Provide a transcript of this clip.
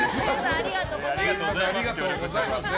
ありがとうございますね。